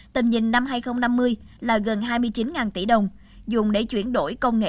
tầm nhìn năm hai nghìn năm mươi là gần hai mươi chín tỷ đồng